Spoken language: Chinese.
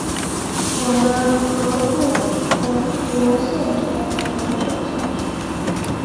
我们何不重夺县城稳守下去？